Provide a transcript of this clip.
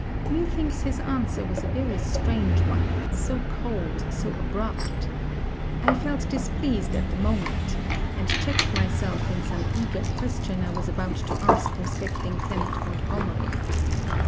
Methinks his answer was a very strange one; so cold, so abrupt! I felt displeased at the moment; and checked myself in some eager question I was about to ask respecting Clement Montgomery.